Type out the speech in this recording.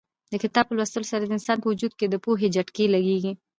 د کتاب په لوستلو سره د انسان په وجود کې د پوهې جټکې لګېږي.